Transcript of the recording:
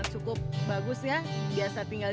cukup bagus ya biasa tinggal